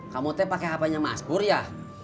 kamu teh pake hape hapenya mas pur ya